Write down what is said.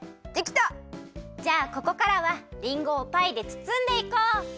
じゃあここからはりんごをパイでつつんでいこう！